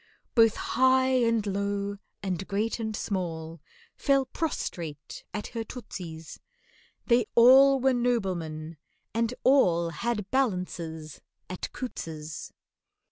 Both high and low and great and small Fell prostrate at her tootsies, They all were noblemen, and all Had balances at COUTTS'S.